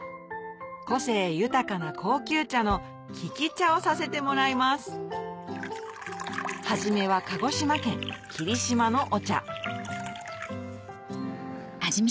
個性豊かな高級茶の利き茶をさせてもらいます初めは鹿児島県霧島のお茶